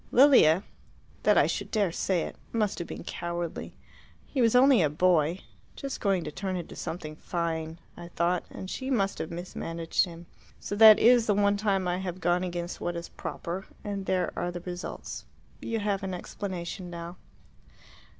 Lilia that I should dare to say it! must have been cowardly. He was only a boy just going to turn into something fine, I thought and she must have mismanaged him. So that is the one time I have gone against what is proper, and there are the results. You have an explanation now."